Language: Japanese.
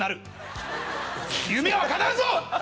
夢はかなうぞ！